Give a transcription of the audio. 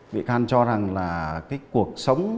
bị can cho rằng là cái cuộc sống